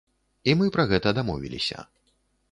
І мы пра гэта дамовіліся.